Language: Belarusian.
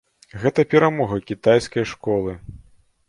Гэта перамога кітайскай школы.